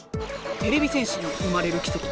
てれび戦士に生まれるきせき